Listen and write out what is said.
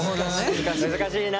難しいな！